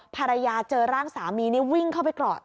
ภรรยาเจอร่างสามีนี่วิ่งเข้าไปกอด